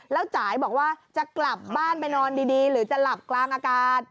แล้วจ่ายบอกว่าจะกลับบ้านไปนอนดีหรือจะหลับกลางอากาศ